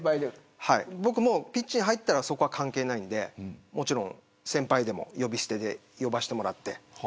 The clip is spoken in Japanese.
僕も、ピッチに入ったらそこは関係ないので先輩でも呼び捨てで呼ばせてもらって。